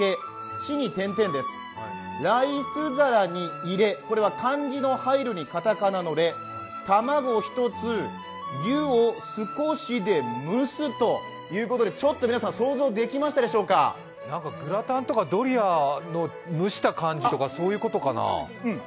チに点々です、ライス皿に入れ卵１つ、湯を少しで蒸すということで、皆さん、想像できましたでしょうかなんかグラタンとかドリアの蒸した感じとか、そういうことかな？